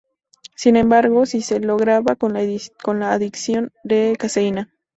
Sin embargo, si se lograba con la adición de caseína.